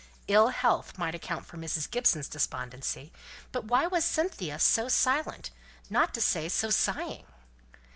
Ill health might account for Mrs. Gibson's despondency, but why was Cynthia so silent, not to say so sighing?